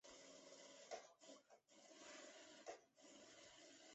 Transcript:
是被设计来发现掠地小行星的系统。